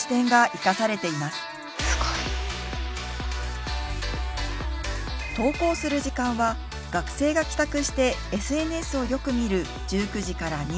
すごい！投稿する時間は学生が帰宅してＳＮＳをよく見る１９時から２１時。